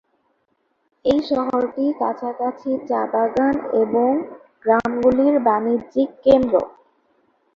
এই শহরটি কাছাকাছি চা বাগান এবং গ্রামগুলির বাণিজ্যিক কেন্দ্র।